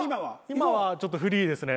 今はちょっとフリーですね。